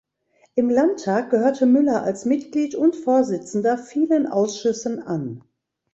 Im Landtag gehörte Müller als Mitglied und Vorsitzender vielen Ausschüssen an.